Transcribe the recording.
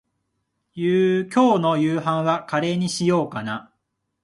今日の夕飯はカレーにしようかな。